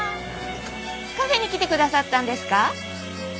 カフェに来てくださったんですか？